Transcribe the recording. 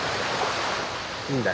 いいんだ。